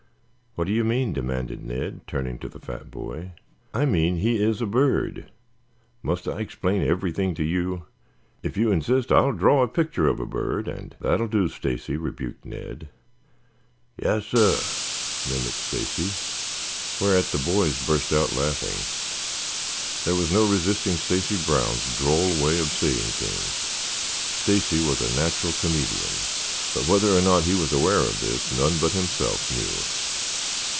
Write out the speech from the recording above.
"What do you mean?" demanded Ned, turning to the fat boy. "I mean he is a bird. Must I explain everything to you? If you insist I will draw a picture of a bird and " "That will do, Stacy," rebuked Ned. "Yassir," mimicked Stacy, whereat the boys burst out laughing. There was no resisting Stacy Brown's droll way of saying things. Stacy was a natural comedian, but whether or not he was aware of this, none but himself knew.